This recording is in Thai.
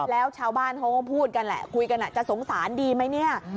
แล้วชาวบ้านเขาก็พูดกันแหละคุยกันจะสงสารดีไหมเนี่ย